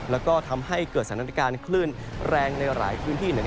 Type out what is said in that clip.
แล้วก็ทำให้เกิดสถานการณ์คลื่นแรงในหลายพื้นที่